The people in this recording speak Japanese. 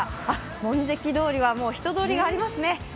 門跡通りは人通りがありますね。